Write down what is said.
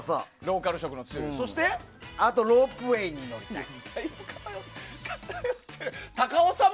あと、ロープウェーに乗りたい。